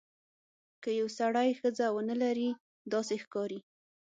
که یو سړی ښځه ونه لري داسې ښکاري.